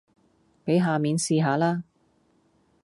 俾下面試下啦